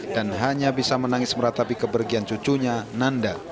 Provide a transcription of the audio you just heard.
dan hanya bisa menangis meratapi kepergian cucunya nanda